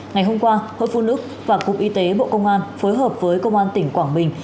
ngày hôm qua hội phụ nữ và cục y tế bộ công an phối hợp với công an tỉnh quảng bình